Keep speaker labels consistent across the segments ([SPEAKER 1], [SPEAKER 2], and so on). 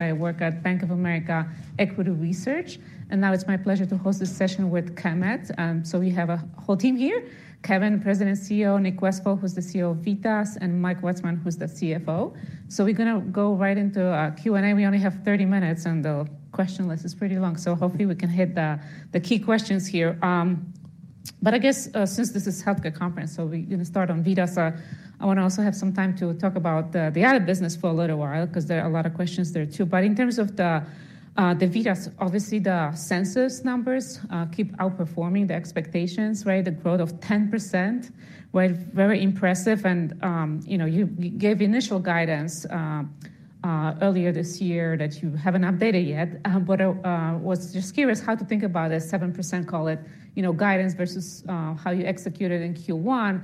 [SPEAKER 1] I work at Bank of America Equity Research, and now it's my pleasure to host this session with Chemed. So we have a whole team here: Kevin, President CEO, Nick Westfall, who's the CEO of VITAS, and Mike Witzeman, who's the CFO. So we're going to go right into Q&A. We only have 30 minutes, and the question list is pretty long, so hopefully we can hit the key questions here. But I guess since this is a healthcare conference, so we're going to start on VITAS, I want to also have some time to talk about the other business for a little while because there are a lot of questions there too. But in terms of the VITAS, obviously the census numbers keep outperforming the expectations, right? The growth of 10%, right? Very impressive. You gave initial guidance earlier this year that you haven't updated yet, but I was just curious how to think about a 7%, call it, guidance versus how you executed in Q1.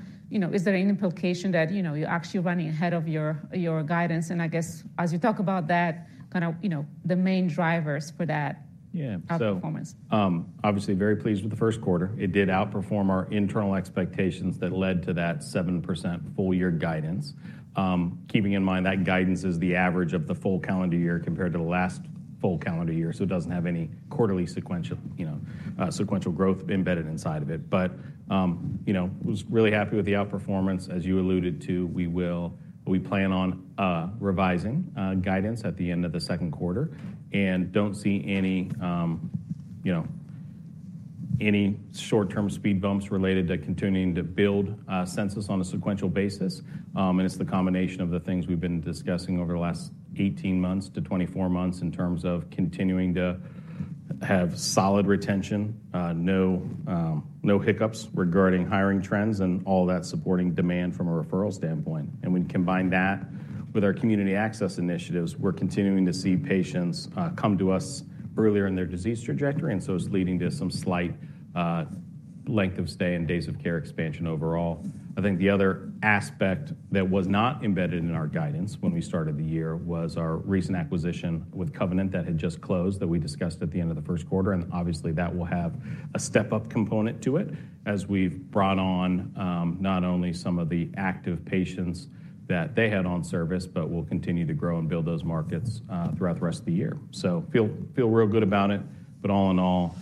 [SPEAKER 1] Is there any implication that you're actually running ahead of your guidance? I guess as you talk about that, kind of the main drivers for that outperformance.
[SPEAKER 2] Yeah. So obviously very pleased with the first quarter. It did outperform our internal expectations that led to that 7% full-year guidance. Keeping in mind that guidance is the average of the full calendar year compared to the last full calendar year, so it doesn't have any quarterly sequential growth embedded inside of it. But I was really happy with the outperformance. As you alluded to, we plan on revising guidance at the end of the second quarter and don't see any short-term speed bumps related to continuing to build census on a sequential basis. And it's the combination of the things we've been discussing over the last 18-24 months in terms of continuing to have solid retention, no hiccups regarding hiring trends, and all that supporting demand from a referral standpoint. When you combine that with our community access initiatives, we're continuing to see patients come to us earlier in their disease trajectory, and so it's leading to some slight length of stay and days of care expansion overall. I think the other aspect that was not embedded in our guidance when we started the year was our recent acquisition with Covenant that had just closed that we discussed at the end of the first quarter. And obviously that will have a step-up component to it as we've brought on not only some of the active patients that they had on service, but we'll continue to grow and build those markets throughout the rest of the year. So feel real good about it. But all in all,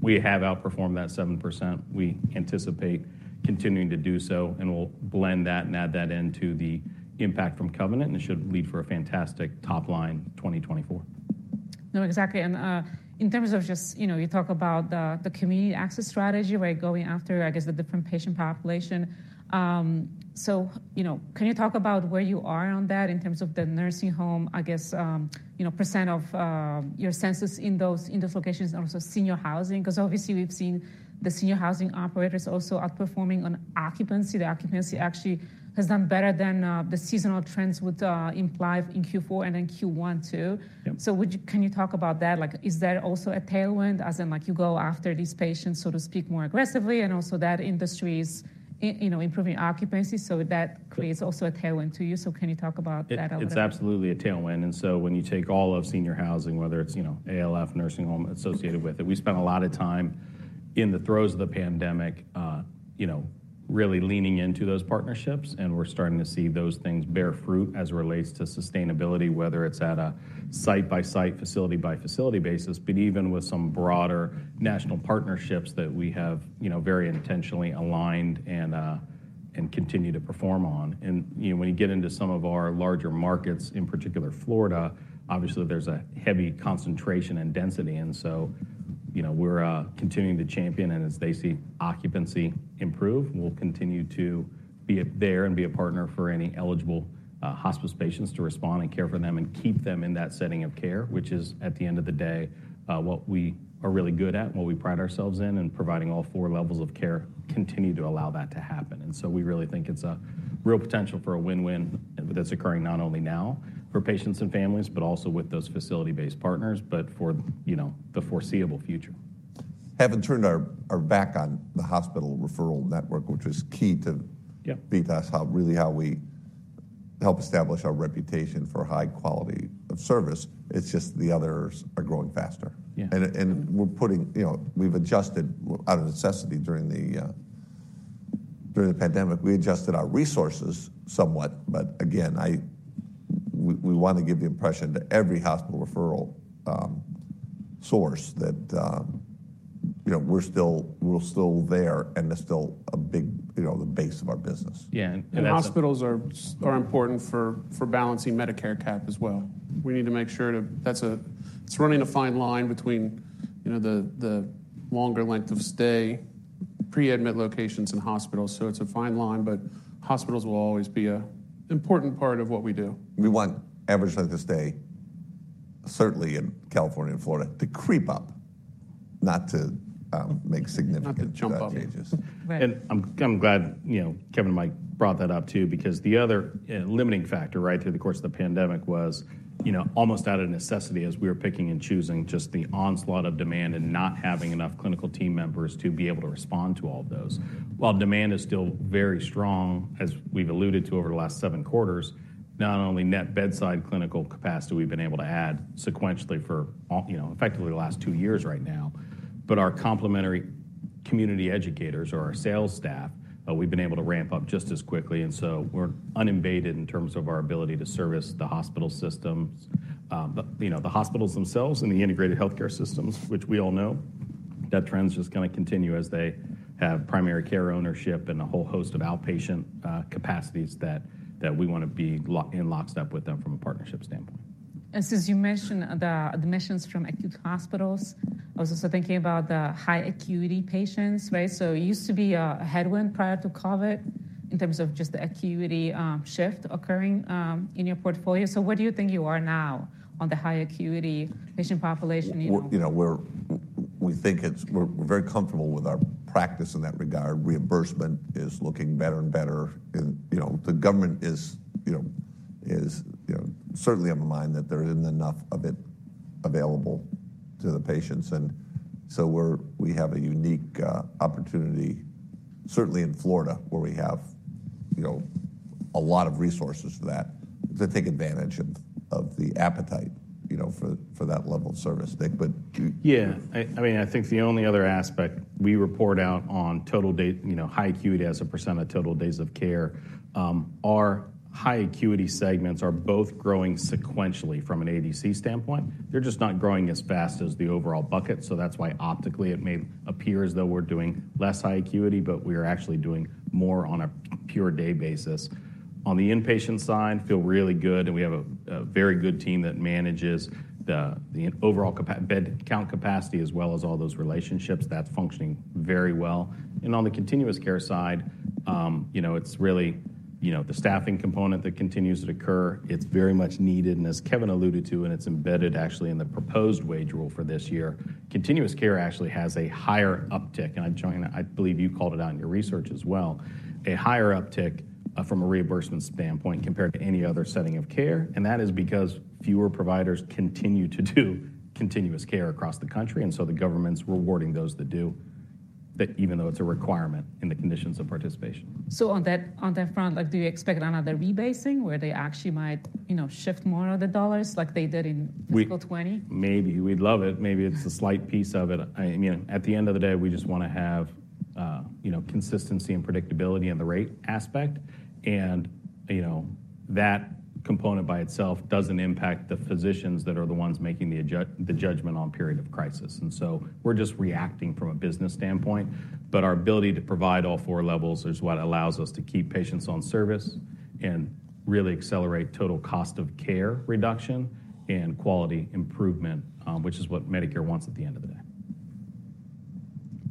[SPEAKER 2] we have outperformed that 7%. We anticipate continuing to do so, and we'll blend that and add that into the impact from Covenant, and it should lead for a fantastic top-line 2024.
[SPEAKER 1] No, exactly. And in terms of just you talk about the community access strategy, right, going after, I guess, the different patient population. So can you talk about where you are on that in terms of the nursing home, I guess, % of your census in those locations and also senior housing? Because obviously we've seen the senior housing operators also outperforming on occupancy. The occupancy actually has done better than the seasonal trends would imply in Q4 and then Q1 too. So can you talk about that? Is that also a tailwind, as in you go after these patients, so to speak, more aggressively, and also that industry is improving occupancy? So that creates also a tailwind to you. So can you talk about that a little bit?
[SPEAKER 2] It's absolutely a tailwind. And so when you take all of senior housing, whether it's ALF, nursing home associated with it, we spent a lot of time in the throes of the pandemic really leaning into those partnerships, and we're starting to see those things bear fruit as it relates to sustainability, whether it's at a site-by-site, facility-by-facility basis, but even with some broader national partnerships that we have very intentionally aligned and continue to perform on. And when you get into some of our larger markets, in particular Florida, obviously there's a heavy concentration and density. And so we're continuing to champion, and as they see occupancy improve, we'll continue to be there and be a partner for any eligible hospice patients to respond and care for them and keep them in that setting of care, which is, at the end of the day, what we are really good at and what we pride ourselves in, and providing all four levels of care continue to allow that to happen. And so we really think it's a real potential for a win-win that's occurring not only now for patients and families, but also with those facility-based partners, but for the foreseeable future.
[SPEAKER 3] Having turned our back on the hospital referral network, which was key to VITAS, really how we help establish our reputation for high quality of service, it's just the others are growing faster. And we've adjusted out of necessity during the pandemic. We adjusted our resources somewhat. But again, we want to give the impression to every hospital referral source that we're still there, and it's still the base of our business.
[SPEAKER 4] Yeah. Hospitals are important for balancing Medicare cap as well. We need to make sure, too, it's running a fine line between the longer length of stay pre-admit locations and hospitals. It's a fine line, but hospitals will always be an important part of what we do.
[SPEAKER 3] We want average length of stay, certainly in California and Florida, to creep up, not to make significant advantages.
[SPEAKER 2] I'm glad Kevin and Mike brought that up too because the other limiting factor right through the course of the pandemic was almost out of necessity as we were picking and choosing just the onslaught of demand and not having enough clinical team members to be able to respond to all of those. While demand is still very strong, as we've alluded to over the last seven quarters, not only net bedside clinical capacity we've been able to add sequentially for effectively the last two years right now, but our complementary community educators or our sales staff, we've been able to ramp up just as quickly. So we're unimpeded in terms of our ability to service the hospital systems, the hospitals themselves, and the integrated healthcare systems, which we all know. That trend's just going to continue as they have primary care ownership and a whole host of outpatient capacities that we want to be in lockstep with them from a partnership standpoint.
[SPEAKER 1] As you mentioned, the admissions from acute hospitals, I was also thinking about the high acuity patients, right? So it used to be a headwind prior to COVID in terms of just the acuity shift occurring in your portfolio. So where do you think you are now on the high acuity patient population?
[SPEAKER 3] We think we're very comfortable with our practice in that regard. Reimbursement is looking better and better. The government is certainly of mind that there isn't enough of it available to the patients. And so we have a unique opportunity, certainly in Florida, where we have a lot of resources for that to take advantage of the appetite for that level of service, Nick. But.
[SPEAKER 2] Yeah. I mean, I think the only other aspect we report out on total day, high acuity as a percent of total days of care, our high acuity segments are both growing sequentially from an ADC standpoint. They're just not growing as fast as the overall bucket. So that's why optically it may appear as though we're doing less high acuity, but we are actually doing more on a pure day basis. On the inpatient side, feel really good, and we have a very good team that manages the overall bed count capacity as well as all those relationships. That's functioning very well. And on the continuous care side, it's really the staffing component that continues to occur. It's very much needed, and as Kevin alluded to, and it's embedded actually in the proposed wage rule for this year, continuous care actually has a higher uptick. I believe you called it out in your research as well, a higher uptick from a reimbursement standpoint compared to any other setting of care. And that is because fewer providers continue to do continuous care across the country, and so the government's rewarding those that do, even though it's a requirement in the Conditions of Participation.
[SPEAKER 1] So on that front, do you expect another rebasing where they actually might shift more of the dollars like they did in fiscal 2020?
[SPEAKER 2] Maybe. We'd love it. Maybe it's a slight piece of it. I mean, at the end of the day, we just want to have consistency and predictability in the rate aspect. And that component by itself doesn't impact the physicians that are the ones making the judgment on period of crisis. And so we're just reacting from a business standpoint. But our ability to provide all four levels is what allows us to keep patients on service and really accelerate total cost of care reduction and quality improvement, which is what Medicare wants at the end of the day.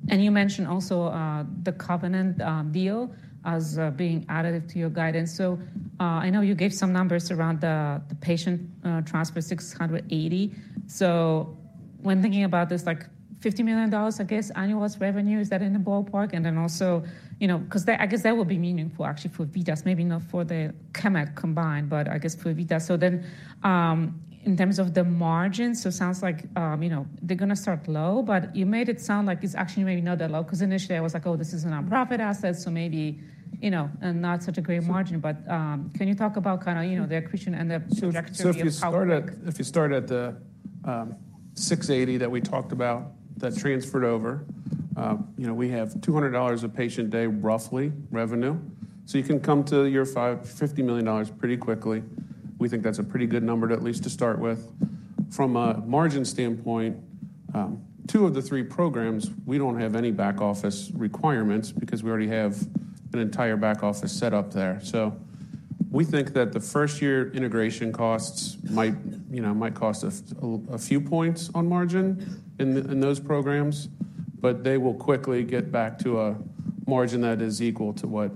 [SPEAKER 1] And you mentioned also the Covenant deal as being additive to your guidance. So I know you gave some numbers around the patient transfer 680. So when thinking about this, $50 million, I guess, annual revenue, is that in the ballpark? And then also because I guess that would be meaningful actually for VITAS, maybe not for the Chemed combined, but I guess for VITAS. So then in terms of the margins, so it sounds like they're going to start low, but you made it sound like it's actually maybe not that low because initially I was like, "Oh, this is a nonprofit asset, so maybe not such a great margin." But can you talk about kind of the accretion and the trajectory of your strategy?
[SPEAKER 4] So if you start at the 680 that we talked about that transferred over, we have $200 a patient day roughly revenue. So you can come to your $50 million pretty quickly. We think that's a pretty good number at least to start with. From a margin standpoint, two of the three programs, we don't have any back office requirements because we already have an entire back office set up there. So we think that the first-year integration costs might cost a few points on margin in those programs, but they will quickly get back to a margin that is equal to what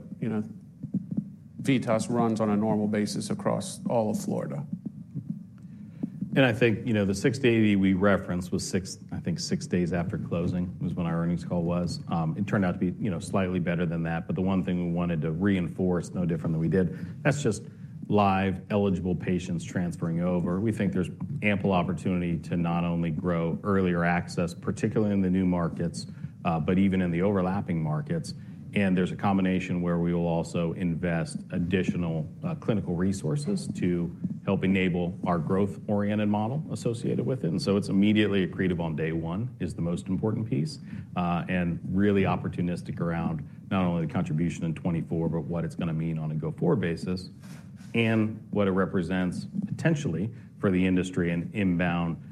[SPEAKER 4] VITAS runs on a normal basis across all of Florida.
[SPEAKER 2] And I think the 680 we referenced was, I think, six days after closing was when our earnings call was. It turned out to be slightly better than that. But the one thing we wanted to reinforce, no different than we did, that's just live eligible patients transferring over. We think there's ample opportunity to not only grow earlier access, particularly in the new markets, but even in the overlapping markets. And there's a combination where we will also invest additional clinical resources to help enable our growth-oriented model associated with it. And so it's immediately accretive on day one is the most important piece and really opportunistic around not only the contribution in 2024, but what it's going to mean on a go-forward basis and what it represents potentially for the industry and inbound opportunities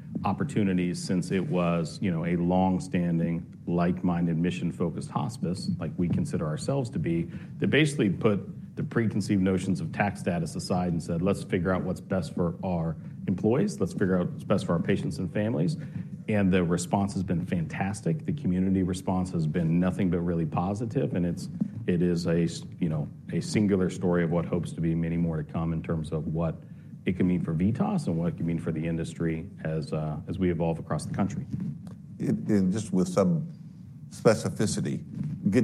[SPEAKER 2] since it was a longstanding, like-minded, mission-focused hospice like we consider ourselves to be, that basically put the preconceived notions of tax status aside and said, "Let's figure out what's best for our employees. Let's figure out what's best for our patients and families." And the response has been fantastic. The community response has been nothing but really positive. And it is a singular story of what hopes to be many more to come in terms of what it can mean for VITAS and what it can mean for the industry as we evolve across the country.
[SPEAKER 3] Just with some specificity,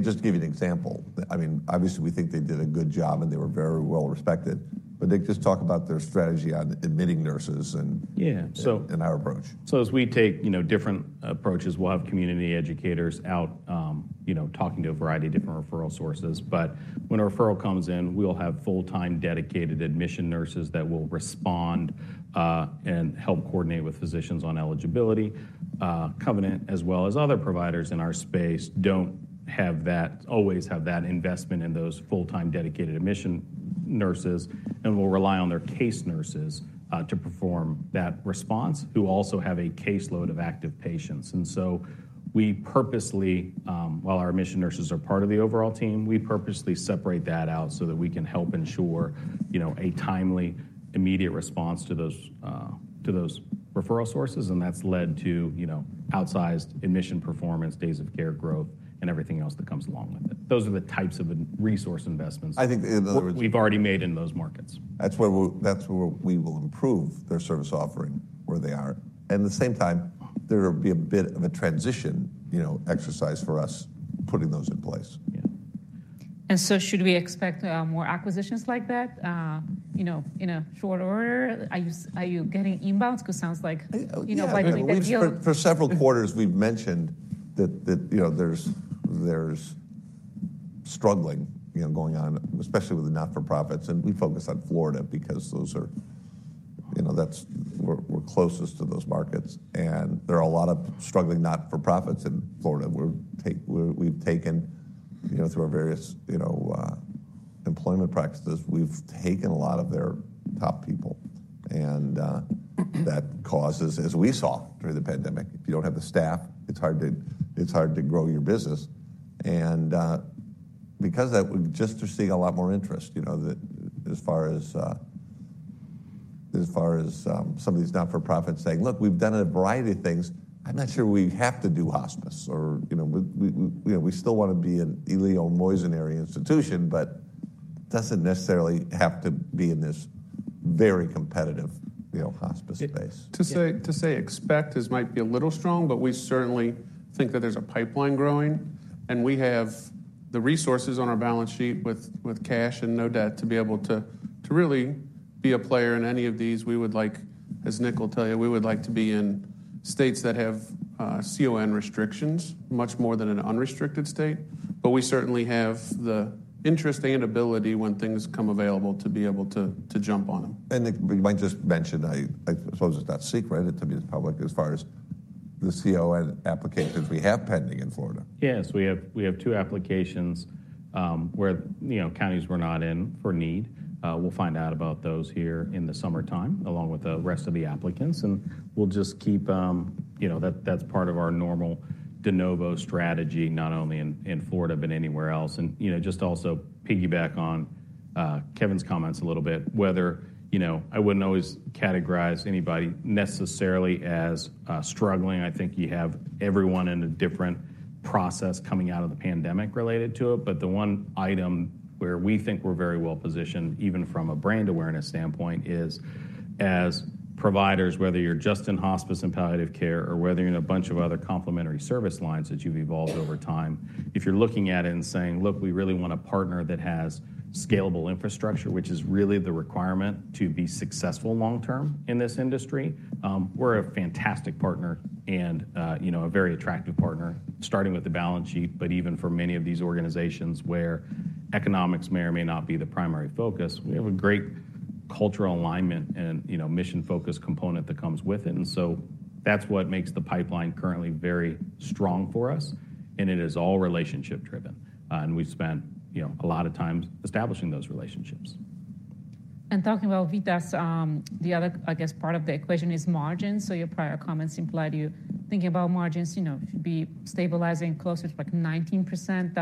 [SPEAKER 3] just to give you an example, I mean, obviously we think they did a good job and they were very well respected. Nick, just talk about their strategy on admitting nurses and our approach.
[SPEAKER 2] Yeah. So as we take different approaches, we'll have community educators out talking to a variety of different referral sources. But when a referral comes in, we'll have full-time dedicated admission nurses that will respond and help coordinate with physicians on eligibility. Covenant, as well as other providers in our space, don't always have that investment in those full-time dedicated admission nurses, and we'll rely on their case nurses to perform that response who also have a caseload of active patients. And so we purposely, while our admission nurses are part of the overall team, we purposely separate that out so that we can help ensure a timely, immediate response to those referral sources. And that's led to outsized admission performance, days of care growth, and everything else that comes along with it. Those are the types of resource investments we've already made in those markets.
[SPEAKER 3] That's where we will improve their service offering where they are. At the same time, there will be a bit of a transition exercise for us putting those in place.
[SPEAKER 1] So should we expect more acquisitions like that in short order? Are you getting inbounds? Because it sounds like, by the way, that deal.
[SPEAKER 3] For several quarters, we've mentioned that there's struggling going on, especially with the not-for-profits. We focus on Florida because we're closest to those markets. There are a lot of struggling not-for-profits in Florida. We've taken through our various employment practices, we've taken a lot of their top people. That causes, as we saw during the pandemic, if you don't have the staff, it's hard to grow your business. Because of that, we're just seeing a lot more interest as far as somebody's not-for-profit saying, "Look, we've done a variety of things. I'm not sure we have to do hospice." Or we still want to be an eleemosynary institution, but it doesn't necessarily have to be in this very competitive hospice space.
[SPEAKER 4] To say expect might be a little strong, but we certainly think that there's a pipeline growing. We have the resources on our balance sheet with cash and no debt to be able to really be a player in any of these. We would like, as Nick will tell you, we would like to be in states that have CON restrictions much more than an unrestricted state. But we certainly have the interest and ability when things come available to be able to jump on them.
[SPEAKER 3] Nick, you might just mention, I suppose it's not secret, it's obviously public as far as the CON applications we have pending in Florida.
[SPEAKER 2] Yes. We have two applications where counties were not in for CON. We'll find out about those here in the summertime along with the rest of the applicants. We'll just keep. That's part of our normal de novo strategy not only in Florida but anywhere else. Just also piggyback on Kevin's comments a little bit. I wouldn't always categorize anybody necessarily as struggling. I think you have everyone in a different process coming out of the pandemic related to it. But the one item where we think we're very well positioned, even from a brand awareness standpoint, is as providers, whether you're just in hospice and palliative care or whether you're in a bunch of other complementary service lines that you've evolved over time, if you're looking at it and saying, "Look, we really want a partner that has scalable infrastructure," which is really the requirement to be successful long-term in this industry, we're a fantastic partner and a very attractive partner, starting with the balance sheet, but even for many of these organizations where economics may or may not be the primary focus. We have a great cultural alignment and mission-focused component that comes with it. And so that's what makes the pipeline currently very strong for us. And it is all relationship-driven. And we've spent a lot of time establishing those relationships.
[SPEAKER 1] Talking about VITAS, the other, I guess, part of the equation is margins. So your prior comments implied you thinking about margins, it should be stabilizing closer to like 19%,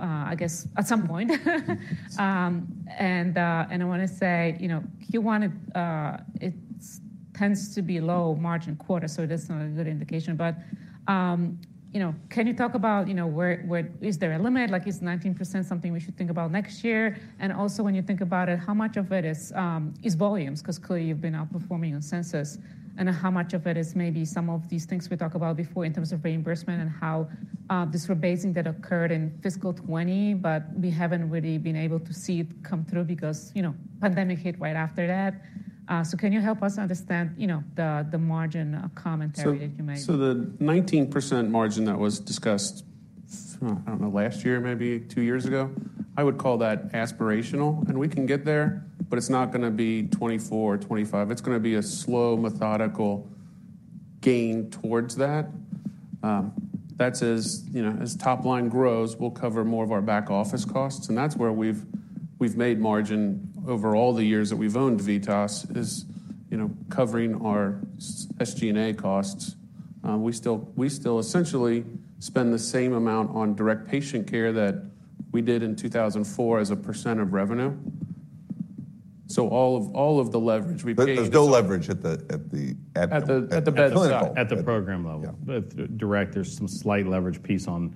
[SPEAKER 1] I guess, at some point. And I want to say Q1, it tends to be low margin quarter, so that's not a good indication. But can you talk about is there a limit? Is 19% something we should think about next year? And also when you think about it, how much of it is volumes? Because clearly you've been outperforming in census. And how much of it is maybe some of these things we talked about before in terms of reimbursement and how this rebasing that occurred in fiscal 2020, but we haven't really been able to see it come through because pandemic hit right after that. So can you help us understand the margin commentary that you made?
[SPEAKER 4] So the 19% margin that was discussed, I don't know, last year, maybe two years ago, I would call that aspirational. And we can get there, but it's not going to be 2024 or 2025. It's going to be a slow, methodical gain towards that. That's as top line grows, we'll cover more of our back office costs. And that's where we've made margin over all the years that we've owned VITAS is covering our SG&A costs. We still essentially spend the same amount on direct patient care that we did in 2004 as a % of revenue. So all of the leverage we paid.
[SPEAKER 3] But there's no leverage at the clinical.
[SPEAKER 4] At the bedside.
[SPEAKER 2] At the program level. Direct, there's some slight leverage piece on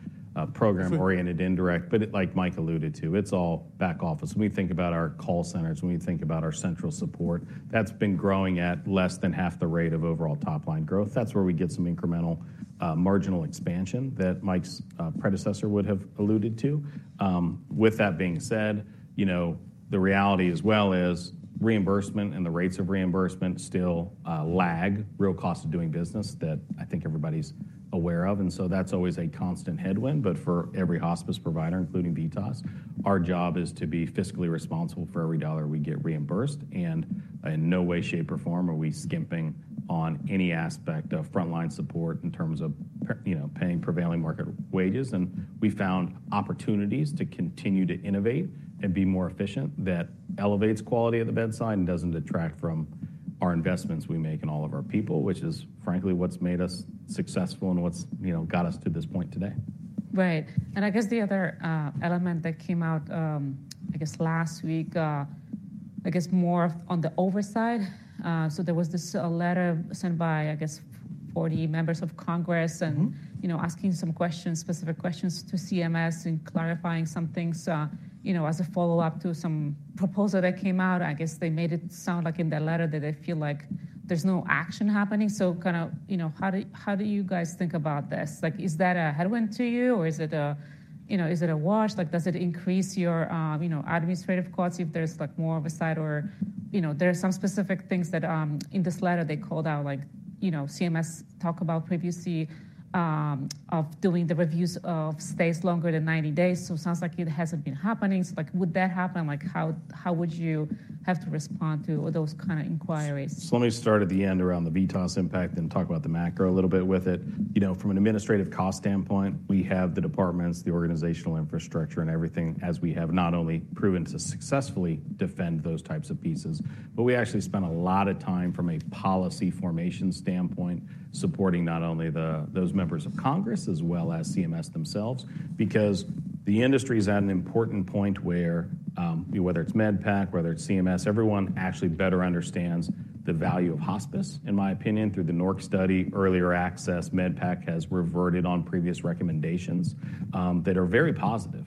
[SPEAKER 2] program-oriented indirect. But like Mike alluded to, it's all back office. When we think about our call centers, when we think about our central support, that's been growing at less than half the rate of overall top line growth. That's where we get some incremental marginal expansion that Mike's predecessor would have alluded to. With that being said, the reality as well is reimbursement and the rates of reimbursement still lag real cost of doing business that I think everybody's aware of. And so that's always a constant headwind. But for every hospice provider, including VITAS, our job is to be fiscally responsible for every dollar we get reimbursed. And in no way, shape, or form are we skimping on any aspect of frontline support in terms of paying prevailing market wages. We found opportunities to continue to innovate and be more efficient that elevates quality of the bedside and doesn't detract from our investments we make in all of our people, which is frankly what's made us successful and what's got us to this point today.
[SPEAKER 1] Right. And I guess the other element that came out, I guess, last week, I guess more on the oversight. So there was this letter sent by, I guess, 40 members of Congress asking some specific questions to CMS and clarifying some things as a follow-up to some proposal that came out. I guess they made it sound like in that letter that they feel like there's no action happening. So kind of how do you guys think about this? Is that a headwind to you or is it a wash? Does it increase your administrative costs if there's more oversight? Or there are some specific things that in this letter they called out, like CMS talked about previously of doing the reviews of stays longer than 90 days. So it sounds like it hasn't been happening. So would that happen? How would you have to respond to those kind of inquiries?
[SPEAKER 2] So let me start at the end around the VITAS impact and talk about the macro a little bit with it. From an administrative cost standpoint, we have the departments, the organizational infrastructure, and everything as we have not only proven to successfully defend those types of pieces, but we actually spent a lot of time from a policy formation standpoint supporting not only those members of Congress as well as CMS themselves. Because the industry is at an important point where, whether it's MedPAC, whether it's CMS, everyone actually better understands the value of hospice, in my opinion, through the NORC study, earlier access. MedPAC has reverted on previous recommendations that are very positive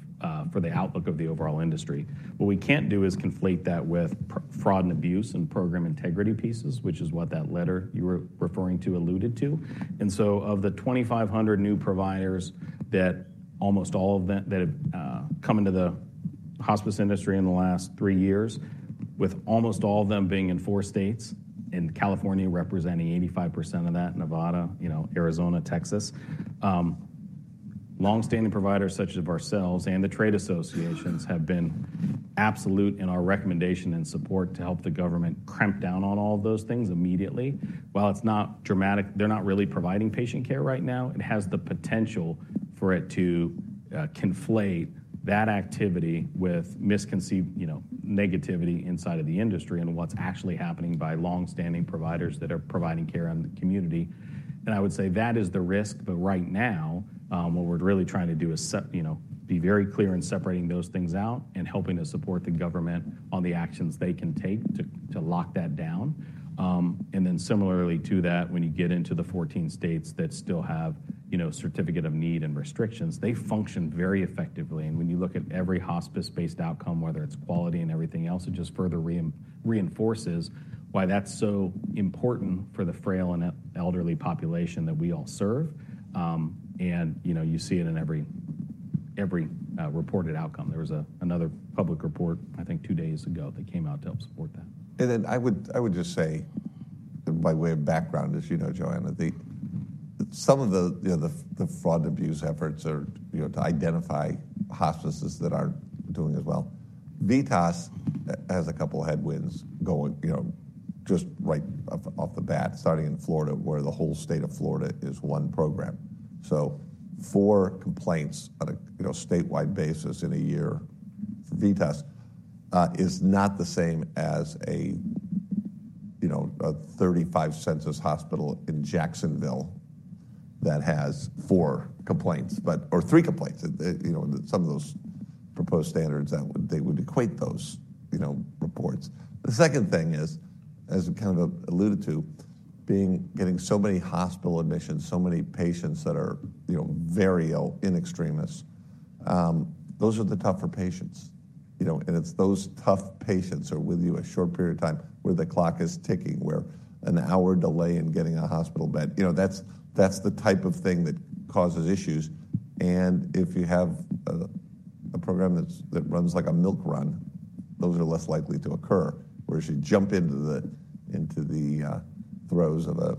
[SPEAKER 2] for the outlook of the overall industry. What we can't do is conflate that with fraud and abuse and program integrity pieces, which is what that letter you were referring to alluded to.
[SPEAKER 3] So of the 2,500 new providers that almost all of them that have come into the hospice industry in the last 3 years, with almost all of them being in 4 states, in California representing 85% of that, Nevada, Arizona, Texas, longstanding providers such as ourselves and the trade associations have been absolute in our recommendation and support to help the government crack down on all of those things immediately. While it's not dramatic, they're not really providing patient care right now. It has the potential for it to conflate that activity with misconceived negativity inside of the industry and what's actually happening by longstanding providers that are providing care in the community. I would say that is the risk. But right now, what we're really trying to do is be very clear in separating those things out and helping to support the government on the actions they can take to lock that down. And then similarly to that, when you get into the 14 states that still have Certificate of Need and restrictions, they function very effectively. And when you look at every hospice-based outcome, whether it's quality and everything else, it just further reinforces why that's so important for the frail and elderly population that we all serve. And you see it in every reported outcome. There was another public report, I think, two days ago that came out to help support that. And then I would just say, by way of background, as you know, Joanna, some of the fraud and abuse efforts are to identify hospices that aren't doing as well. VITAS has a couple of headwinds going just right off the bat, starting in Florida where the whole state of Florida is one program. So four complaints on a statewide basis in a year for VITAS is not the same as a 35-census hospital in Jacksonville that has four complaints or three complaints. Some of those proposed standards, they would equate those reports. The second thing is, as I kind of alluded to, getting so many hospital admissions, so many patients that are very in extremis, those are the tougher patients. It's those tough patients who are with you a short period of time where the clock is ticking, where an hour delay in getting a hospital bed, that's the type of thing that causes issues. If you have a program that runs like a milk run, those are less likely to occur. Whereas you jump into the throes of a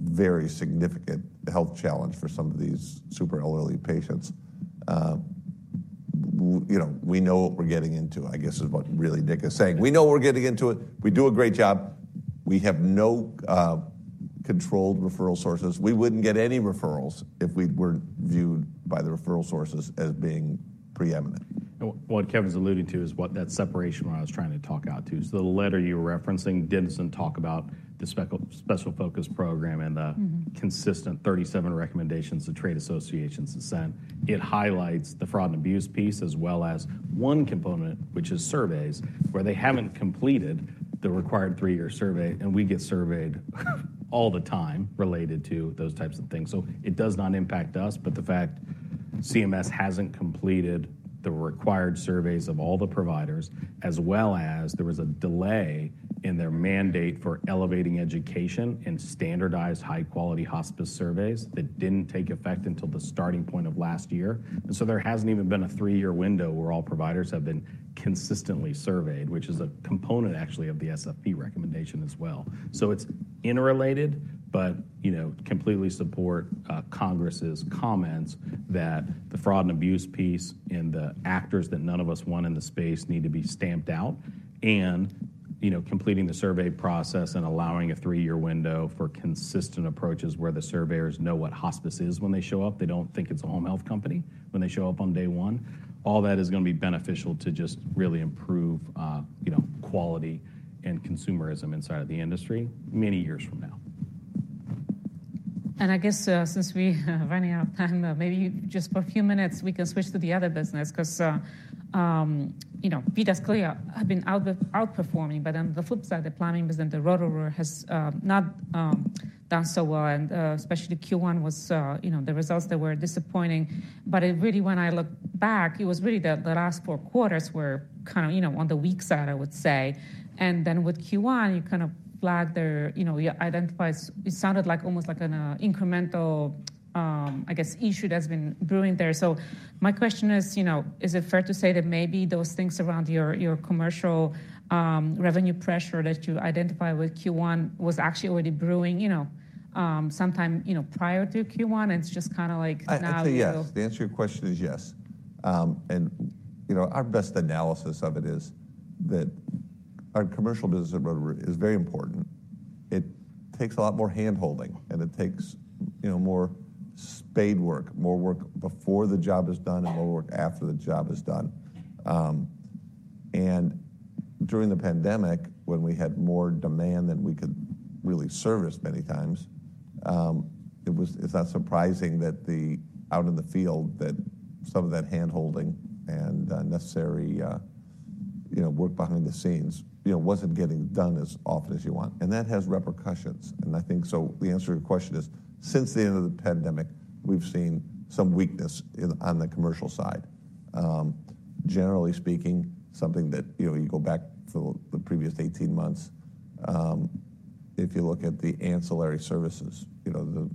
[SPEAKER 3] very significant health challenge for some of these super elderly patients, we know what we're getting into, I guess, is what really Nick is saying. We know what we're getting into it. We do a great job. We have no controlled referral sources. We wouldn't get any referrals if we weren't viewed by the referral sources as being preeminent.
[SPEAKER 2] What Kevin's alluding to is what that separation where I was trying to talk out to. So the letter you were referencing didn't talk about the Special Focus Program and the consistent 37 recommendations the trade associations have sent. It highlights the fraud and abuse piece as well as one component, which is surveys, where they haven't completed the required three-year survey. And we get surveyed all the time related to those types of things. So it does not impact us. But the fact CMS hasn't completed the required surveys of all the providers, as well as there was a delay in their mandate for elevating education and standardized high-quality hospice surveys that didn't take effect until the starting point of last year. So there hasn't even been a three-year window where all providers have been consistently surveyed, which is a component actually of the SFP recommendation as well. It's interrelated but completely supports Congress's comments that the fraud and abuse piece and the actors that none of us want in the space need to be stamped out and completing the survey process and allowing a three-year window for consistent approaches where the surveyors know what hospice is when they show up. They don't think it's a home health company when they show up on day one. All that is going to be beneficial to just really improve quality and consumerism inside of the industry many years from now.
[SPEAKER 1] And I guess since we're running out of time, maybe just for a few minutes, we can switch to the other business. Because VITAS clearly has been outperforming. But on the flip side, the plumbing business, the Roto-Rooter has not done so well. And especially Q1 was the results that were disappointing. But really, when I looked back, it was really the last four quarters were kind of on the weak side, I would say. And then with Q1, you kind of flagged there. You identified it sounded like almost like an incremental, I guess, issue that's been brewing there. So my question is, is it fair to say that maybe those things around your commercial revenue pressure that you identified with Q1 was actually already brewing sometime prior to Q1? And it's just kind of like now.
[SPEAKER 3] I think the answer to your question is yes. Our best analysis of it is that our commercial business at Roto-Rooter is very important. It takes a lot more handholding. It takes more spade work, more work before the job is done, and more work after the job is done. During the pandemic, when we had more demand than we could really service many times, it's not surprising that out in the field that some of that handholding and necessary work behind the scenes wasn't getting done as often as you want. That has repercussions. I think so the answer to your question is, since the end of the pandemic, we've seen some weakness on the commercial side. Generally speaking, something that if you go back for the previous 18 months, if you look at the ancillary services, the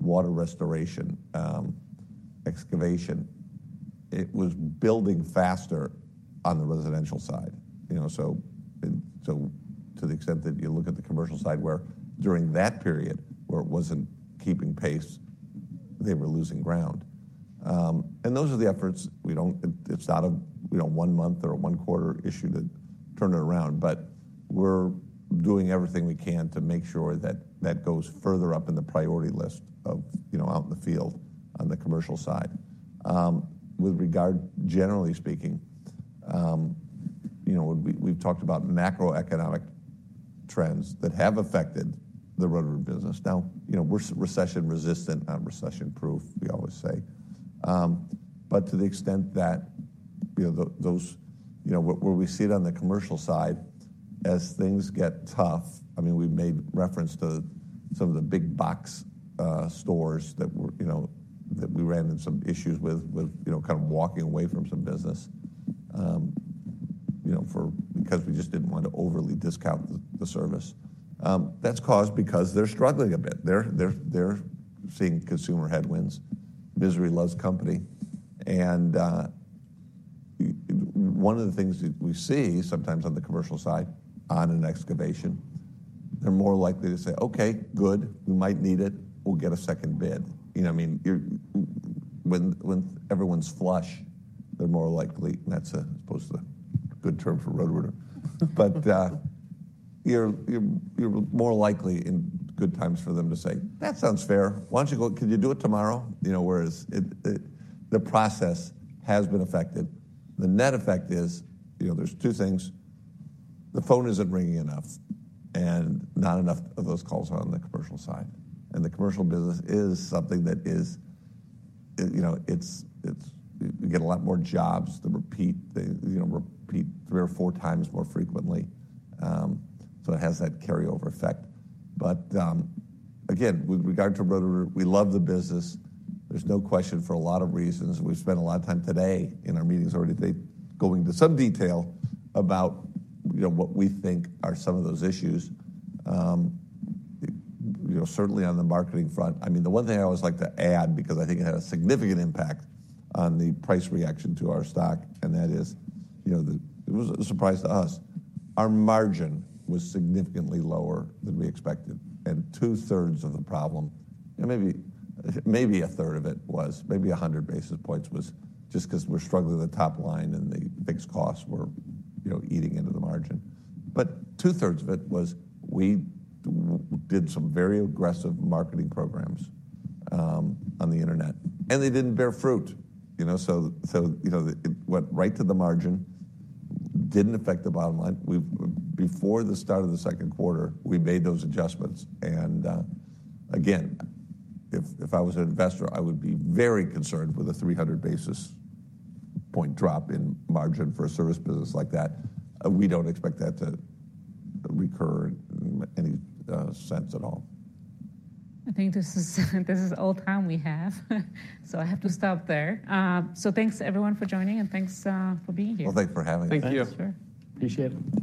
[SPEAKER 3] water restoration, excavation, it was building faster on the residential side. So to the extent that you look at the commercial side where during that period where it wasn't keeping pace, they were losing ground. And those are the efforts. It's not a one-month or a one-quarter issue to turn it around. But we're doing everything we can to make sure that that goes further up in the priority list out in the field on the commercial side. With regard, generally speaking, we've talked about macroeconomic trends that have affected the Roto-Rooter business. Now, we're recession-resistant, not recession-proof, we always say. But to the extent that those where we see it on the commercial side, as things get tough, I mean, we've made reference to some of the big box stores that we ran into some issues with kind of walking away from some business because we just didn't want to overly discount the service. That's caused because they're struggling a bit. They're seeing consumer headwinds. Misery loves company. And one of the things that we see sometimes on the commercial side, on an excavation, they're more likely to say, "Okay, good. We might need it. We'll get a second bid." I mean, when everyone's flush, they're more likely and that's supposed to be a good term for Roto-Rooter. But you're more likely in good times for them to say, "That sounds fair. Why don't you go? Could you do it tomorrow?" Whereas the process has been affected. The net effect is there's two things. The phone isn't ringing enough and not enough of those calls on the commercial side. And the commercial business is something that is you get a lot more jobs to repeat three or four times more frequently. So it has that carryover effect. But again, with regard to Roto-Rooter, we love the business. There's no question for a lot of reasons. We've spent a lot of time today in our meetings already today going into some detail about what we think are some of those issues, certainly on the marketing front. I mean, the one thing I always like to add because I think it had a significant impact on the price reaction to our stock, and that is it was a surprise to us. Our margin was significantly lower than we expected. Two-thirds of the problem, maybe a third of it, was maybe 100 basis points. This was just because we're struggling with the top line and the fixed costs were eating into the margin. But two-thirds of it was we did some very aggressive marketing programs on the internet. And they didn't bear fruit. So it went right to the margin, didn't affect the bottom line. Before the start of the second quarter, we made those adjustments. And again, if I was an investor, I would be very concerned with a 300 basis point drop in margin for a service business like that. We don't expect that to recur in any sense at all.
[SPEAKER 1] I think this is all time we have. I have to stop there. Thanks, everyone, for joining. Thanks for being here.
[SPEAKER 3] Well, thanks for having us.
[SPEAKER 4] Thank you.
[SPEAKER 1] Sure.
[SPEAKER 4] Appreciate it.